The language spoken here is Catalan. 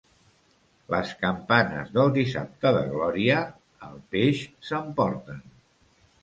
Les campanes del Dissabte de Glòria el peix s'emporten.